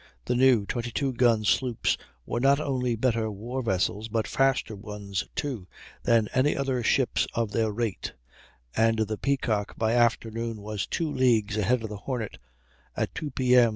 The new 22 gun sloops were not only better war vessels, but faster ones too, than any other ships of their rate; and the Peacock by afternoon was two leagues ahead of the Hornet, At 2 P.M.